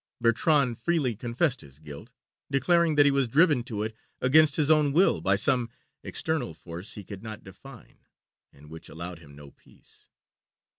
Bertrand freely confessed his guilt, declaring that he was driven to it against his own will by some external force he could not define, and which allowed him no peace.